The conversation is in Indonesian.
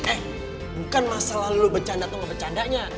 eh bukan masalah lu bercanda atau gak bercandanya